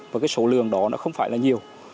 và số lượng đó không phải là nhiều